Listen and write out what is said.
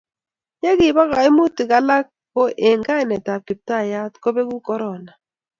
ye kiba kaimutik alak ko eng' kainet ab kiptayat ko beku corona